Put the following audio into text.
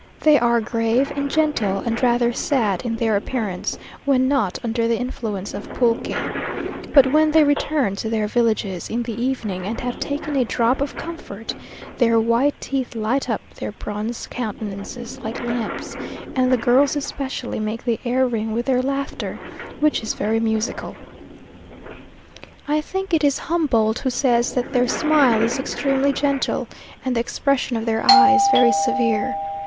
They are grave and gentle and rather sad in their appearance, when not under the influence of pulque; but when they return to their villages in the evening, and have taken a drop of comfort, their white teeth light up their bronze countenances like lamps, and the girls especially make the air ring with their laughter, which is very musical. I think it is Humboldt who says that their smile is extremely gentle, and the expression of their eyes very severe.